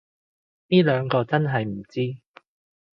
呢兩個真係唔知